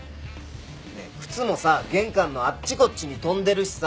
ねえ靴もさ玄関のあっちこっちに飛んでるしさ。